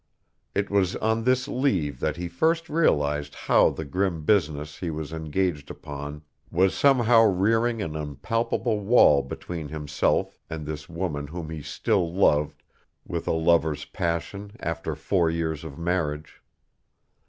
It was on this leave that he first realized how the grim business he was engaged upon was somehow rearing an impalpable wall between himself and this woman whom he still loved with a lover's passion after four years of marriage.